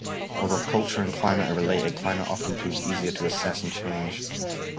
Although culture and climate are related, climate often proves easier to assess and change.